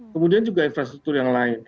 kemudian juga infrastruktur yang lain